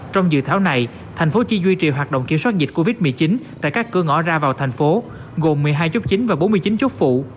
trong dự thảo này thành phố chỉ duy trì hoạt động kiểm soát dịch covid một mươi chín tại các cửa ngõ ra vào thành phố gồm một mươi hai chốt chính và bốn mươi chín chốt phụ